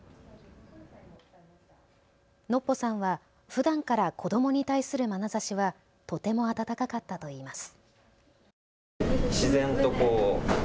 ノッポさんはふだんから子どもに対するまなざしはとても温かかったといいます。